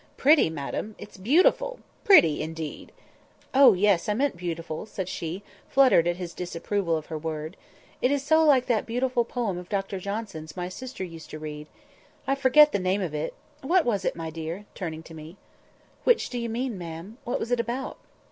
"Pretty, madam! it's beautiful! Pretty, indeed!" "Oh yes! I meant beautiful!" said she, fluttered at his disapproval of her word. "It is so like that beautiful poem of Dr Johnson's my sister used to read—I forget the name of it; what was it, my dear?" turning to me. "Which do you mean, ma'am? What was it about?"